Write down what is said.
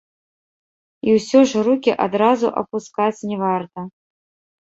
І ўсё ж рукі адразу апускаць не варта.